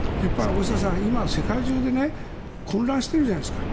大下さん、今、世界中で混乱しているじゃないですか。